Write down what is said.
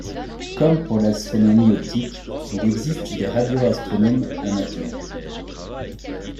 Comme pour l'astronomie optique, il existe des radioastronomes amateurs.